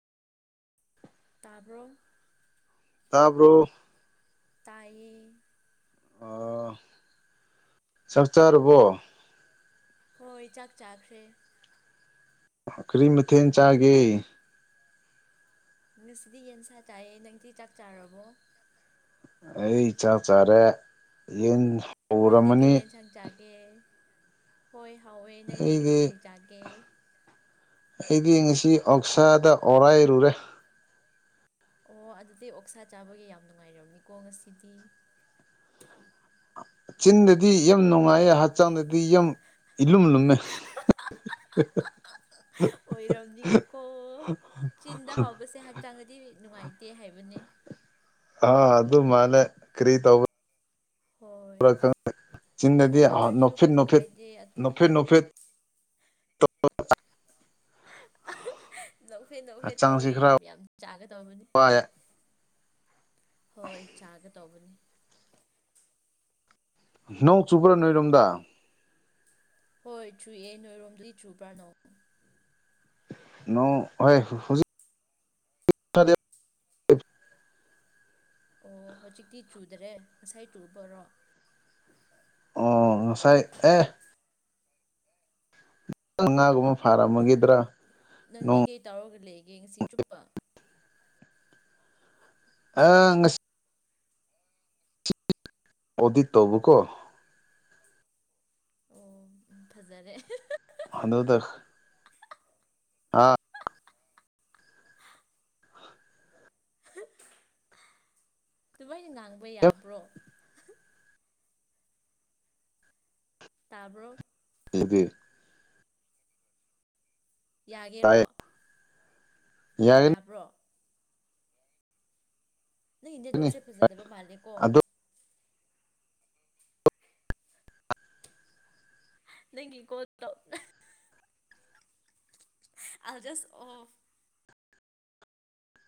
ꯇꯥꯕ꯭ꯔꯣ ꯇꯥꯕ꯭ꯔꯣ ꯇꯥꯏ ꯑ ꯆꯪ ꯆꯥꯔꯕꯣ ꯍꯣꯏ ꯆꯥꯛ ꯆꯥꯈ꯭ꯔꯦ ꯀꯔꯤ ꯃꯊꯦꯜ ꯆꯥꯒꯦ ꯁꯤꯗꯤ ꯌꯦꯟꯁꯥ ꯆꯥꯏꯌꯦ ꯅꯪꯗꯤ ꯆꯥꯛ ꯆꯥꯔꯕꯣ ꯑꯩ ꯏꯆꯥ ꯆꯥꯔꯦ ꯌꯦꯟ ꯅꯪꯗꯤ ꯀꯔꯤ ꯍꯧꯔꯝꯃꯅꯤ ꯌꯦꯟꯁꯥꯡ ꯆꯥꯒꯦ ꯍꯣꯏ ꯍꯥꯎꯋꯦ ꯅꯪꯗꯤ ꯀꯔꯤ ꯑꯩꯗꯤ ꯀꯔꯤ ꯆꯥꯒꯦ ꯑꯩꯗꯤ ꯉꯁꯤ ꯑꯛꯁꯥꯗ ꯑꯣꯔꯥꯏꯔꯨꯔꯦ ꯑꯣ ꯑꯗꯨꯗꯤ ꯑꯣꯛꯁꯥ ꯆꯥꯕꯒꯤ ꯌꯥꯝ ꯅꯨꯡꯉꯥꯏꯔꯕꯝꯅꯤꯀꯣ ꯉꯁꯤꯗꯤ ꯆꯤꯟꯗꯗꯤ ꯌꯥꯝ ꯅꯨꯡꯉꯥꯏꯌꯦ ꯍꯛꯆꯥꯡꯗꯗꯤ ꯌꯥꯝ ꯏꯂꯨꯝ ꯂꯨꯝꯃꯦ ꯎ ꯑꯣꯏꯔꯕꯝꯅꯤꯀꯣ ꯆꯤꯟꯗ ꯍꯥꯎꯕꯁꯦ ꯍꯛꯆꯥꯡꯗꯗꯤ ꯅꯨꯡꯉꯥꯏꯇꯦ ꯍꯥꯏꯕꯅꯦ ꯑꯥ ꯑꯗꯨ ꯃꯥꯅꯦ ꯀꯔꯤ ꯇꯧꯕ ꯍꯣꯏ ꯆꯤꯟꯟꯅꯗꯤ ꯑꯗꯨ ꯑꯣꯏꯔꯁꯨ ꯅꯣꯐꯦꯠꯣꯐꯠ ꯀꯥꯏꯗꯦ ꯑꯗꯨꯝ ꯅꯣꯐꯦꯠ ꯅꯨꯣꯐꯦꯠ [inaudible] ꯅꯣꯛꯐꯦ ꯅꯣꯛꯐꯦ ꯍꯛꯆꯥꯡꯁꯤ ꯇꯧꯔꯒꯦ ꯈꯔ ꯌꯥꯝ ꯌꯥꯝ ꯆꯥꯒ ꯇꯧꯔꯕꯅꯤ ꯋꯥꯏ [inaudible] ꯍꯣꯏ ꯆꯥꯒ ꯇꯧꯕꯅꯤ ꯅꯧ ꯆꯨꯕ꯭ꯔꯥ ꯅꯣꯏꯔꯣꯝꯗ ꯍꯣꯏ ꯆꯨꯦ ꯅꯣꯏꯔꯣꯝꯗꯨꯗꯤ ꯆꯨꯕ꯭ꯔꯥꯅꯣ ꯅ ꯍꯖꯤ [unintelligible] ꯑꯣ ꯍꯧꯖꯤꯛꯇꯤ ꯆꯨꯗ꯭ꯔꯦ ꯉꯁꯥꯏ ꯆꯨꯕꯔꯣ ꯑꯣ ꯉꯁꯥꯏ ꯑꯦ [unintelligible] ꯉꯥꯒꯨꯝꯕ ꯐꯥꯔꯝꯃꯒꯗ꯭ꯔꯥ ꯅꯪꯗꯤ ꯀꯩ ꯇꯧꯔꯒ ꯂꯩꯒꯦ ꯉꯁꯤ ꯆꯨꯞꯄ ꯑ ꯉꯁꯤ [unintelligible] ꯀꯣꯚꯤꯠ ꯇꯧꯕꯀꯣ ꯑꯣ ꯎꯝ ꯐꯖꯔꯦ [unintelligible] [unintelligible] ꯍꯥꯥ [unintelligible] ꯑꯗꯨꯃꯥꯏꯅ ꯉꯥꯡꯕ ꯌꯥꯕ꯭ꯔꯣ ꯇꯥꯕ꯭ꯔꯣ ꯑꯦꯕꯤ ꯇꯥꯏ ꯌꯥꯒꯦꯔꯣ ꯌꯥꯒꯅꯤ ꯌꯥꯕ꯭ꯔꯣ ꯅꯪ ꯅꯦꯠꯋꯥꯛꯁꯦ ꯐꯖꯗꯕ ꯃꯥꯜꯂꯦ ꯀꯣ ꯑꯗꯨ ꯅꯪꯒꯤ ꯀꯣꯜ ꯇꯧ [unintelligible] ꯑꯖꯁ ꯑꯣꯐ